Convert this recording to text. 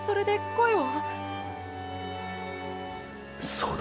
そうだ。